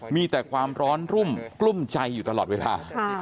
มีแต่ความร้อนรุ่มกลุ้มใจอยู่ตลอดเวลา